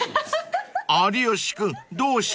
［有吉君どうしました？］